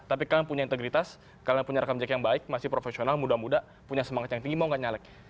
tapi kalian punya integritas kalian punya rekam jejak yang baik masih profesional muda muda punya semangat yang tinggi mau gak nyalek